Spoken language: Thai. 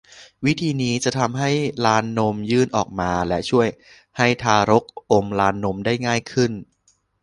วิธีนี้จะทำให้ลานนมยื่นออกมาและช่วยให้ทารกอมลานนมได้ง่ายขึ้น